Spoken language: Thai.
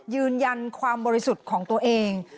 ยืนยันความบริสุทธิ์ของตัวเอง